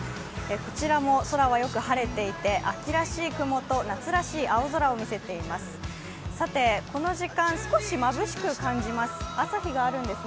こちらも空はよく晴れていて秋らしい雲と夏らしい青空を見せています